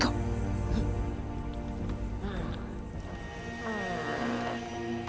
aku akan pergi